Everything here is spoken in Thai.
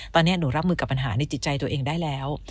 ตอนนี้หนูรับมือกับปัญหาในจิตใจตัวเองได้แล้ว